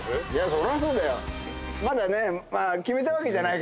そりゃそうだよ。